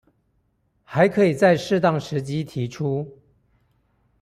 還可以在適當時機提出